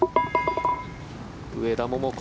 上田桃子